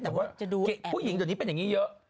แต่ว่าผู้หญิงเดี๋ยวนี้เป็นอย่างนี้เยอะ